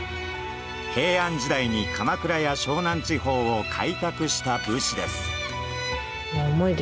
平安時代に鎌倉や湘南地方を開拓した武士です。